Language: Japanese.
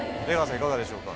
いかがでしょうか？